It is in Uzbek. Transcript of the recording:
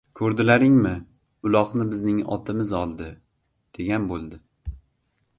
Ko‘rdilaringmi, uloqni bizning otimiz oldi, degan bo‘ldi.